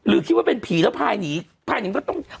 หรือคิดว่าเป็นผีแล้วพายหนีพายหนึ่งก็ต้องจ้วง